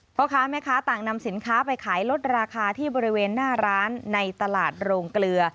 พ่อค้าแม่ค้าต่างนำสินค้าไปขายลดราคาที่บริเวณหน้าร้านในตลาดโรงเกลือ